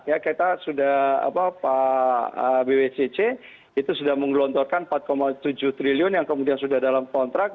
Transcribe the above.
ya kita sudah apa pak bwcc itu sudah menggelontorkan empat tujuh triliun yang kemudian sudah dalam kontrak